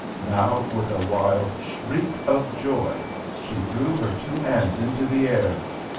Now, with a wild shriek of joy, she threw her two hands into the air.